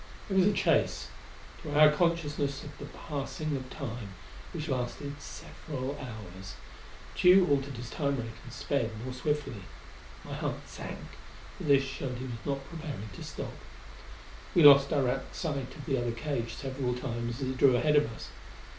It was a chase to our consciousness of the passing of Time which lasted several hours. Tugh altered his Time rate and sped more swiftly. My heart sank, for this showed he was not preparing to stop. We lost direct sight of the other cage several times as it drew ahead of us.